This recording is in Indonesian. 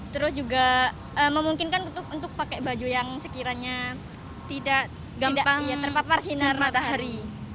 terus juga memungkinkan untuk pakai baju yang sekiranya tidak gampang terpapar sinar matahari